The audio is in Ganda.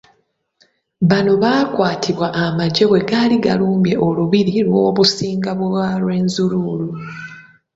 Bano baakwatibwa amagye bwe gaali galumbye olubiri lw'Obusunga bwa Rwenzururu.